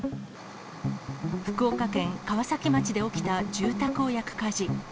福岡県川崎町で起きた住宅を焼く火事。